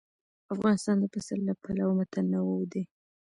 افغانستان د پسه له پلوه متنوع دی.